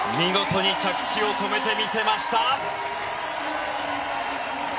見事に着地を止めてみせました。